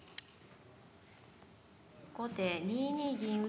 後手２二銀打。